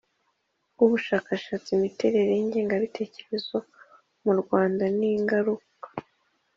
w ubushakashatsi Imiterere y ingengabitekerezo mu Rwanda n ingaruka